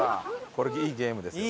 これいいゲームですね